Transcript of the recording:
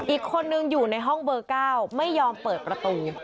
อีกคนนึงอยู่ในห้องเบอร์๙ไม่ยอมเปิดประตู